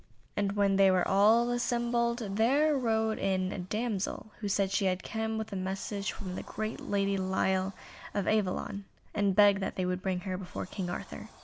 And when they were all assembled, there rode in a damsel, who said she had come with a message from the great Lady Lile of Avelion, and begged that they would bring her before King Arthur.